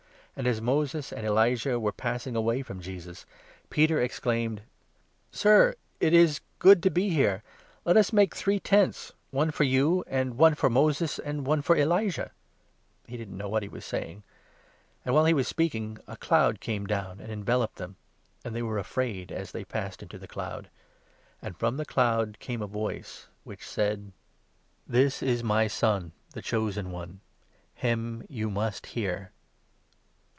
And, as Moses and Elijah were passing away from Jesus, Peter exclaimed :" Sir, it is good to be here ; let us make three tents, one for you, and one for Moses, and one for Elijah." He did not know what he was saying ; and, while he was speaking, a cloud came down and enveloped them ; and they were afraid, as they passed into the cloud ; and from the cloud came a voice which said — '•a Hos. 6. a. 3» Ps. a. 7 ; Isa. 42. i ; Enoch 40. 5. LUKE, 9. 127 " This is my. Son, the Chosen One ; him you must hear.